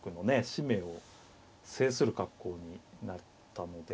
死命を制する格好になったので。